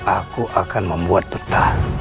aku akan membuat peta